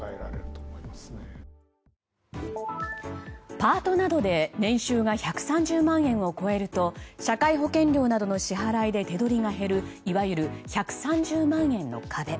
パートなどで年収が１３０万円を超えると社会保険料などの支払いで手取りが減るいわゆる１３０万円の壁。